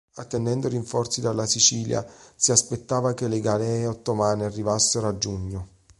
Attendendo rinforzi dalla Sicilia si aspettava che le galee ottomane arrivassero a giugno.